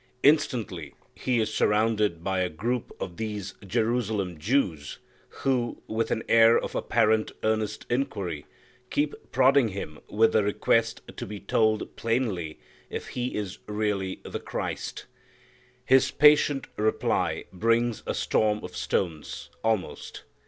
Instantly He is surrounded by a group of these Jerusalem Jews who, with an air of apparent earnest inquiry, keep prodding Him with the request to be told plainly if He is really the Christ. His patient reply brings a storm of stones almost.